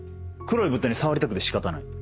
黒い物体に触りたくて仕方ない。